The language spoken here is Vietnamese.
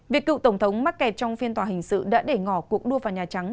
việc cựu tổng thống mắc kẹt trong phiên tòa hình sự đã để ngỏ cuộc đua vào nhà trắng